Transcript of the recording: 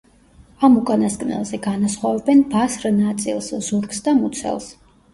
ამ უკანასკნელზე განასხვავებენ ბასრ ნაწილს, ზურგს და მუცელს.